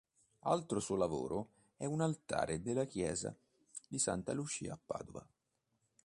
Altro suo lavoro è un altare della chiesa di Santa Lucia a Padova.